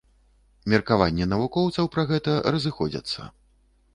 Меркаванні навукоўцаў пра гэта разыходзяцца.